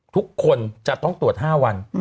ทุกคนจะต้องตรวจ๕วัน